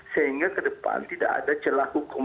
sehingga ke depan tidak ada celah hukum